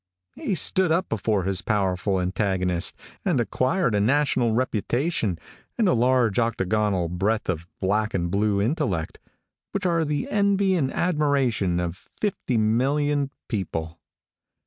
He stood up before his powerful antagonist, and acquired a national reputation, and a large octagonal breadth of black and blue intellect, which are the envy and admiration of 50,000,000 people.